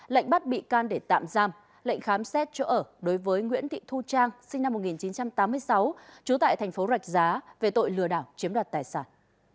lệnh bắt bị can để tạm giam lệnh khám xét chỗ ở đối với nguyễn thị thu trang sinh năm một nghìn chín trăm tám mươi sáu trú tại thành phố rạch giá về tội lừa đảo chiếm đoạt tài sản